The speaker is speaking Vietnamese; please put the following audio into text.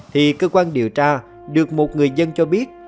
thì cơ quan điều tra được một người dân cho biết